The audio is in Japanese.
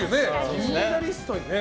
金メダリストにね。